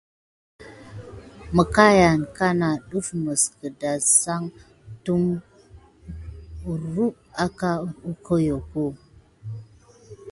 Məkayan yane def mis dedazan tumpay kutu suck kim kirore hohohokio.